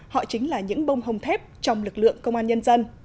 họ chính là những bông hồng thép trong lực lượng công an nhân dân